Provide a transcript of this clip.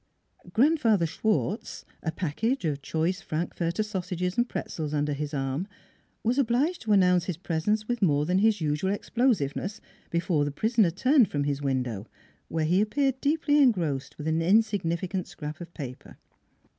Grandfather Schwartz, a package of choice Frankfurter sausages and pretzels under his arm, was obliged to announce his presence with more than his usual explosiveness before the prisoner turned from his window, where he appeared 328 NEIGHBORS deeply engrossed with an insignificant scrap of paper.